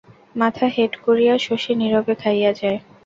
মাথা হেট করিয়া শশী নীরবে খাইয়া যায়।